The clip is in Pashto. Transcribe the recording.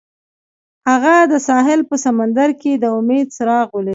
هغه د ساحل په سمندر کې د امید څراغ ولید.